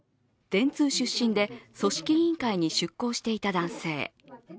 電通出身で組織委員会に出向していた男性。